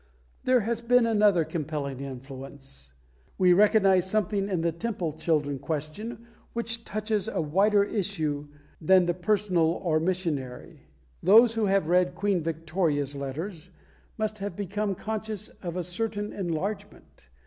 There has been another compelling influence. We recognise something in the Temple children question which touches a wider issue than the personal or missionary. Those who have read Queen Victoria's Letters must have become conscious of a certain enlargement.